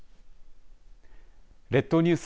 列島ニュース